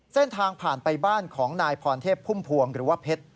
เส้นทางผ่านไปบ้านของนายพรเทพพุ่มพวงหรือว่าเพชร